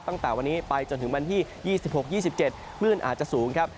ตั้งแต่วันนี้ไปจนถึงวันที่๒๖๒๗คลื่นอาจจะสูงครับ